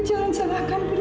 jangan salahkan diri